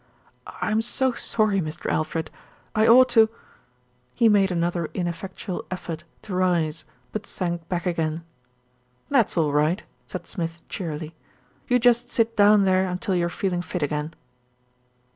"I'm so sorry, Mr. Alfred. I ought to " He made another ineffectual effort to rise; but sank back again. "That's all right," said Smith cheerily, "you just sit down there until you're feeling fit again."